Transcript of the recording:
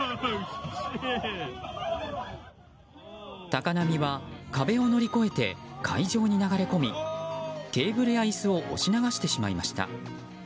高波は、壁を乗り越えて会場に流れ込みテーブルや椅子を押し流してしまいました。